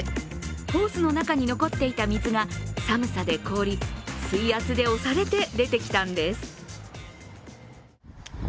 ホースの中に残っていた水が寒さで凍り水圧で押されて出てきたんです。